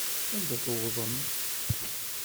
Anda tewḍem?